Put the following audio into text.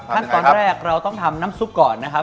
ขั้นตอนแรกเราต้องทำน้ำซุปก่อนนะครับ